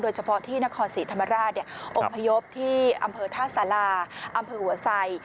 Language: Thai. เฉพาะที่นครศรีธรรมราชอบพยพที่อำเภอท่าสาราอำเภอหัวไซ